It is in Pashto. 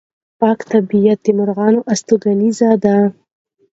پاک طبیعت د مرغانو استوګنځی دی.